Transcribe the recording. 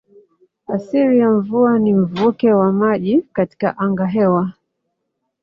Asili ya mvua ni mvuke wa maji katika angahewa.